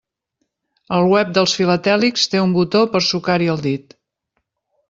El web dels filatèlics té un botó per sucar-hi el dit.